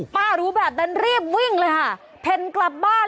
ป้ารู้แบบนั้นรีบวิ่งเลยค่ะเพ่นกลับบ้าน